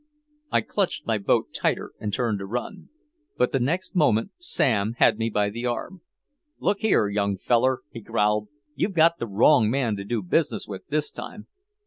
I clutched my boat tighter and turned to run. But the next moment Sam had me by the arm. "Look here, young feller," he growled. "You've got the wrong man to do business with this time."